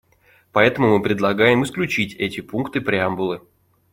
Поэтому мы предлагаем исключить эти пункты преамбулы.